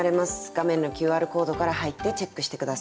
画面のＱＲコードから入ってチェックして下さい。